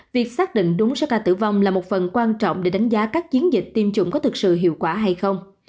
việc xác định đúng số ca tử vong là một phần quan trọng để đánh giá các chiến dịch tiêm chủng có thực sự hiệu quả hay không